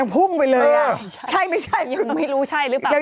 พุ่งไปเลยอ่ะใช่ไม่ใช่ยังไม่รู้ใช่หรือเปล่า